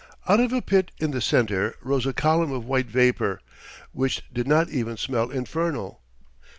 Out of a pit in the center rose a column of white vapour which did not even smell infernal.